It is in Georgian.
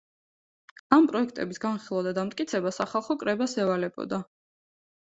ამ პროექტების განხილვა და დამტკიცება სახალხო კრებას ევალებოდა.